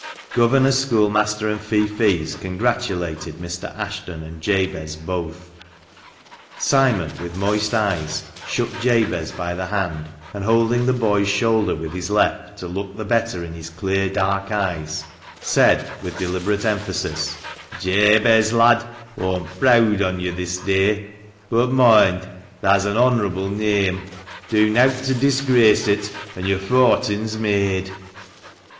Governor, schoolmaster, and feoffees congratulated Mr. Ashton and Jabez both. Simon, with moist eyes, shook Jabez by the hand, and holding the boy's shoulder with his left to look the better in his clear, dark eyes, said, with deliberate emphasis — "Jabez, lad, aw'm preawd on yo' this day. But moind — thah's an honourable neame ; do nowt to disgrace it, an' yo'r fortin's made